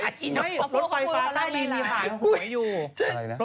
เขาพูดฟายฟ้าใต้ดินอยู่ห่วย